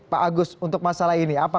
pak agus untuk masalah ini